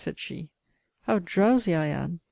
said she. How drowsy I am!